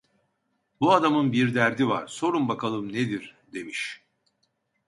"Bu adamın bir derdi var, sorun bakalım nedir!" demiş.